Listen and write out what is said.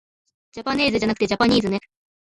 じゃぱねーぜじゃなくてじゃぱにーずね